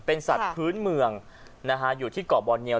เป็นสัตว์พื้นเมืองนะฮะอยู่ที่เกาะบอเนียว